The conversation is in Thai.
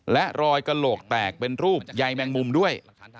และรอยกระโหลกแตกเป็นรูปใยแมงมุมด้วย